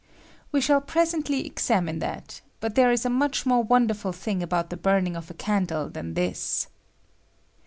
We shall presently examine that; but there is a much more wonderful thing about the burning of a candle than this.